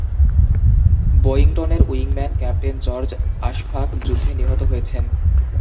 বয়িংটনের উইংম্যান, captain George Ashfaq, যুদ্ধে নিহত হয়েছেন।